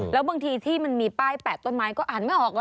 แล้วบางทีที่มันมีป้ายแปะต้นไม้ก็อ่านไม่ออกว่า